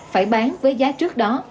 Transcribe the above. phải bán với giá trước đó